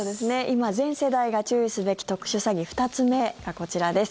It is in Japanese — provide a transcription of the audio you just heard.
今、全世代が注意すべき特殊詐欺２つ目がこちらです。